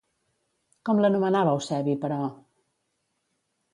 Com l'anomenava Eusebi, però?